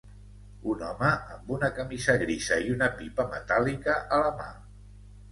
Un home amb una camisa grisa i una pipa metàl·lica a la mà.